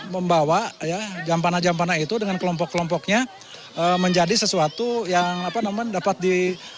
membawa jampana jampana itu dengan kelompok kelompoknya menjadi sesuatu yang dapat di